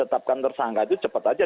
tetapkan tersangka itu cepat aja